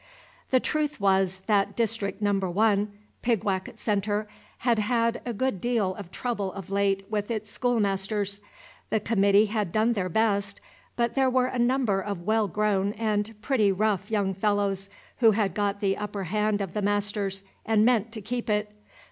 The truth was, that District No. 1, Pigwacket Centre, had had a good deal of trouble of late with its schoolmasters. The committee had done their best, but there were a number of well grown and pretty rough young fellows who had got the upper hand of the masters, and meant to keep it.